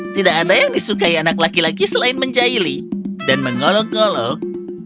tidak ada yang disukai anak laki laki selain mencaili dan menggolok golok